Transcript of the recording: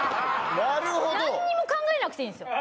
なるほど何にも考えなくていいんですよ